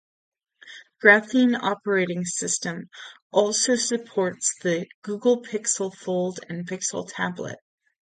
Graphene Operating System also supports the Google Pixel Fold and Pixel Tablet.